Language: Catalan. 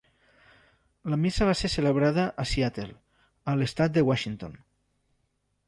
La missa va ser celebrada a Seattle, a l'Estat de Washington.